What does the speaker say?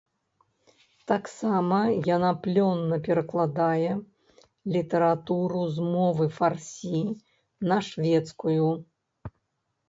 Таксама яна плённа перакладае літаратуру з мовы фарсі на шведскую.